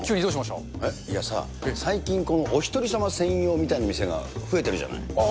いやさ、最近、このおひとり様専用みたいな店が増えてるじゃない？